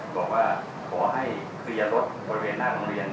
บอกว่าขอให้เคลียร์รถบริเวณหน้าโรงเรียน